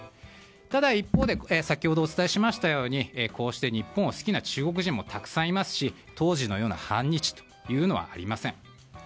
ただ一方で先ほどお伝えしましたように日本を好きな中国人もたくさんいますし当時のような反日というのはありません。